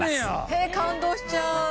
へえ感動しちゃう。